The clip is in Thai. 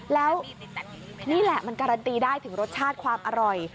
แล้วนี่แหละมันการันตีได้ถึงรสชาติความอร่อย